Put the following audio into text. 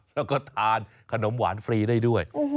แล้วก็ทานขนมหวานฟรีได้ด้วย